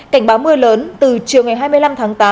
cảnh báo mưa lớn từ chiều ngày hai mươi năm tháng tám